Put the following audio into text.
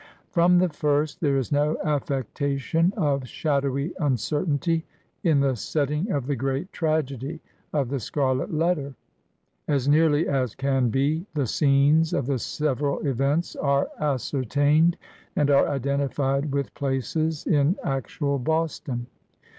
From the first there is no affectation of shadowy un certainty in the setting of the great tragedy of * The Scarlet Letter/' As nearly as can be, the scenes of the several events are ascertained, and are identified with places in actual Boston.